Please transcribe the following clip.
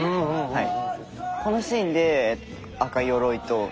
はい。